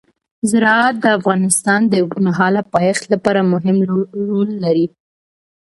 زراعت د افغانستان د اوږدمهاله پایښت لپاره مهم رول لري.